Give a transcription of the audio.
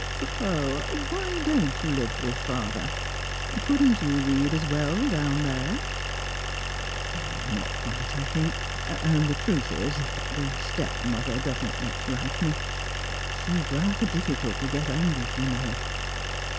"Apropos, why don't you live with father? Couldn't you read as well down there?" "Not quite, I think, and the truth is, the stepmother doesn't much like me. She's rather difficult to get on with you know."